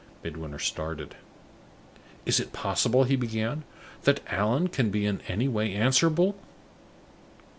Midwinter started. "Is it possible," he began, "that Allan can be in any way answerable